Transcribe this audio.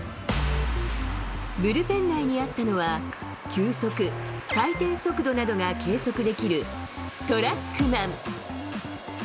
ブルペン内にあったのは、球速、回転速度などが計測できるトラックマン。